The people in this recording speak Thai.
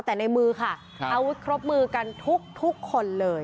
แต่ในมือค่ะอาวุธครบมือกันทุกคนเลย